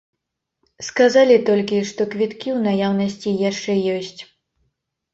Сказалі толькі, што квіткі ў наяўнасці яшчэ ёсць.